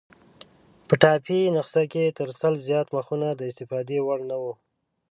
په ټایپي نسخه کې تر سل زیات مخونه د استفادې وړ نه وو.